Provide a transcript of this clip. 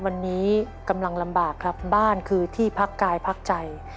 วันนี้กำลังลำบากครับบ้านคือที่พักกายพักใจ